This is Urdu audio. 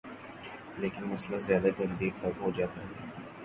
لیکن مسئلہ زیادہ گمبھیر تب ہو جاتا ہے۔